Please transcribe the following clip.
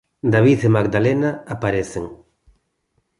David e Magdalena aparecen.